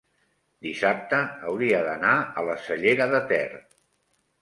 dissabte hauria d'anar a la Cellera de Ter.